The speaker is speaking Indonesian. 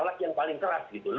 alat yang paling keras gitu loh